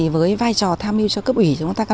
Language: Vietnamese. với vai trò tham mưu cho cấp ủy